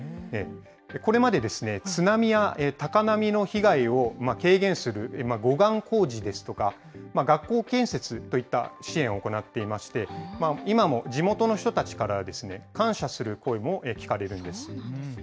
これまで津波や高波の被害を軽減する護岸工事ですとか、学校建設といった支援を行っていまして、今も地元の人たちからはですね、感謝する声も聞かれるんです。